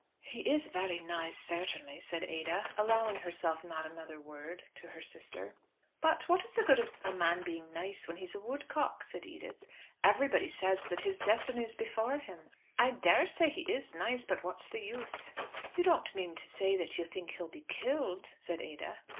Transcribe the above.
"He is very nice, certainly," said Ada, allowing herself not another word, to her sister. "But what is the good of a man being nice when he is a 'woodcock'?" said Edith. "Everybody says that his destiny is before him. I daresay he is nice, but what's the use?" "You don't mean to say that you think he'll be killed?" said Ada.